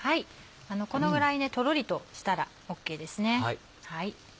このぐらいとろりとしたらＯＫですね。